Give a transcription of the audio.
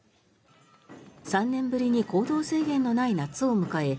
３年ぶりに行動制限のない夏を迎え